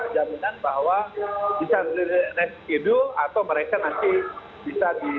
jaminan bahwa bisa diresidu atau mereka nanti bisa di